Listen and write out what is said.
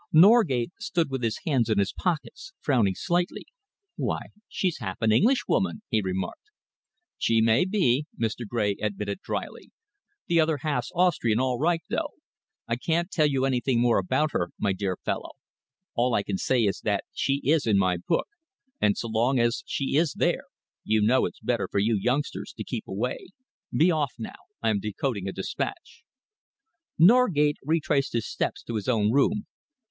Norgate stood with his hands in his pockets, frowning slightly. "Why, she's half an Englishwoman," he remarked. "She may be," Mr. Gray admitted drily. "The other half's Austrian all right, though. I can't tell you anything more about her, my dear fellow. All I can say is that she is in my book, and so long as she is there, you know it's better for you youngsters to keep away. Be off now. I am decoding a dispatch." Norgate retraced his steps to his own room.